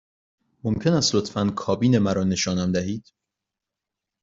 ممکن است لطفاً کابین مرا نشانم دهید؟